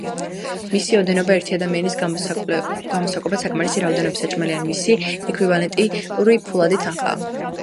მისი ოდენობა ერთი ადამიანის გამოსაკვებად საკმარისი რაოდენობის საჭმელი ან მისი ექვივალენტური ფულადი თანხაა.